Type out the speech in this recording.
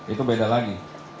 itu beda lagi